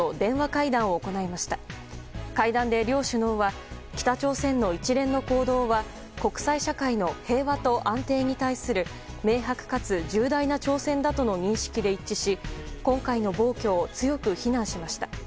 会談で両首脳は北朝鮮の一連の行動は国際社会の平和と安定に対する明白かつ重大な挑戦だとの認識で一致し今回の暴挙を強く非難しました。